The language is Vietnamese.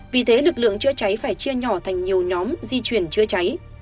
vì thế lực lượng chữa cháy phải chia nhỏ thành nhiều nhóm di chuyển chữa cháy